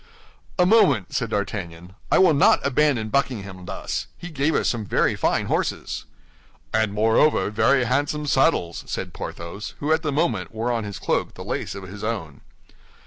"A moment," said D'Artagnan. "I will not abandon Buckingham thus. He gave us some very fine horses." "And moreover, very handsome saddles," said Porthos, who at the moment wore on his cloak the lace of his own.